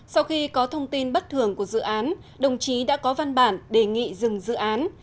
sau khi có thông tin bất thường của dự án đồng chí đã có văn bản đề nghị dừng dự án